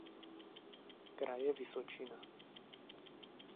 Kraje Vysočina.